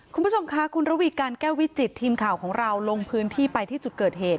คุณผู้ชมค่ะคุณระวีการแก้ววิจิตทีมข่าวของเราลงพื้นที่ไปที่จุดเกิดเหตุ